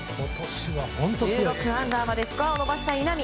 １６アンダーまでスコアを伸ばした稲見。